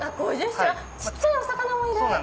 あっ小っちゃいお魚もいる。